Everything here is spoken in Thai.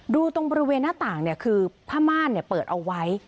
ดูตรงบริเวณหน้าต่างคือผ้าม่านเปิดเอาไว้